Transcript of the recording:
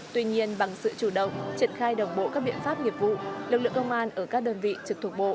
tuy nhiên bằng sự chủ động triển khai đồng bộ các biện pháp nghiệp vụ lực lượng công an ở các đơn vị trực thuộc bộ